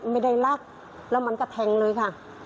มันก็แบบ